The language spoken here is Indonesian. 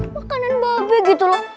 makanan babe gitu loh